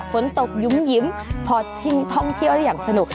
ฝนตกหยุ่มพอทิ้งท่องเที่ยวได้อย่างสนุก